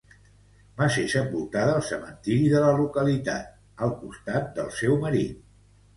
Va ser sepultada al cementiri de la localitat al costat del seu marit.